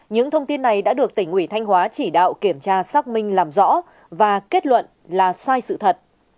những thông tin này đã được tỉnh ủy thanh hóa chỉ đạo kiểm tra xác minh làm rõ và kết luận là sai sự thật